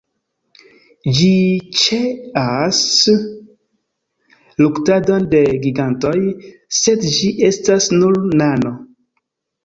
Ĝi ĉeas luktadon de gigantoj, sed ĝi estas nur nano.